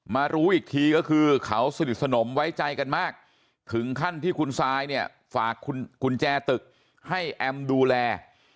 รู้อีกทีก็คือเขาสนิทสนมไว้ใจกันมากถึงขั้นที่คุณซายเนี่ยฝากกุญแจตึกให้แอมดูแล